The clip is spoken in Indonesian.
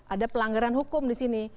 ada pelanggaran hukum di sini